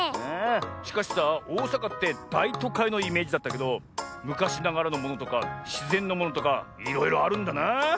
しかしさおおさかってだいとかいのイメージだったけどむかしながらのものとかしぜんのものとかいろいろあるんだな！